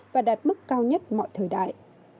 và đạt mức cao nhất mọi thời đại